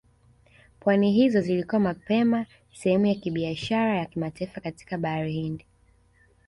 pwani hizo zilikuwa mapema sehemu ya biashara ya kimataifa katika Bahari Hindi